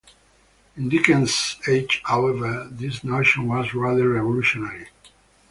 In Dickens' age, however, this notion was rather revolutionary.